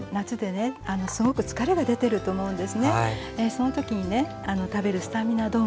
そのときにね食べるスタミナ丼です。